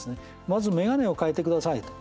まず眼鏡をかえてくださいと。